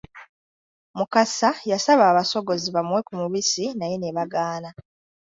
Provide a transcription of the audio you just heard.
Mukasa yasaba abasogozi bamuwe ku mubisi naye ne bagaana.